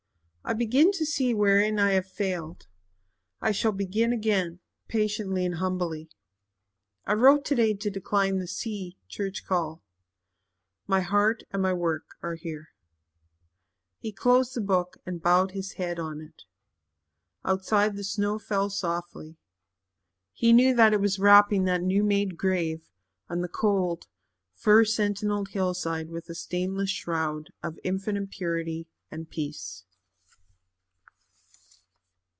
I begin to see wherein I have failed. I shall begin again patiently and humbly. I wrote today to decline the C church call. My heart and my work are here." He closed the book and bowed his head on it. Outside the snow fell softly; he knew that it was wrapping that new made grave on the cold, fir sentinelled hillside with a stainless shroud of infinite purity and peace.